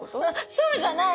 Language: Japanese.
そうじゃない！